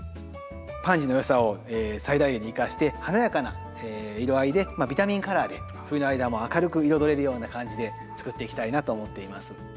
パンジーのよさを最大限に生かして華やかな色合いでビタミンカラーで冬の間も明るく彩れるような感じで作っていきたいなと思っています。